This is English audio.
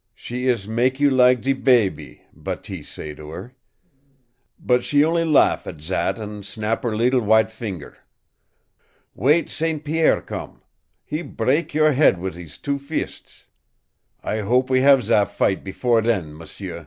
She ees mak you lak de baby, Bateese say to her. But she on'y laugh at zat an' snap her leetle w'ite finger. Wait St. Pierre come! He brak yo'r head wit' hees two fists. I hope we have ze fight before then, m'sieu!"